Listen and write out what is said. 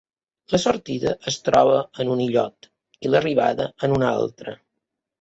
La sortida es troba en un illot i l'arribada en un altre.